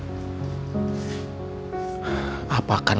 tahanlah noises jadi kebaikan opsi hissen